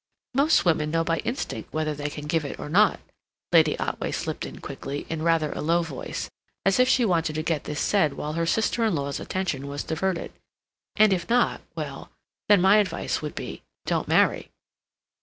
"Most women know by instinct whether they can give it or not," Lady Otway slipped in quickly, in rather a low voice, as if she wanted to get this said while her sister in law's attention was diverted. "And if not—well then, my advice would be—don't marry."